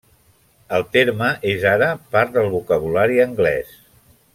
El terme és ara part del vocabulari anglès.